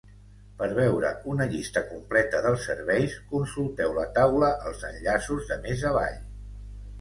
Per veure una llista completa dels serveis, consulteu la taula als enllaços de més avall.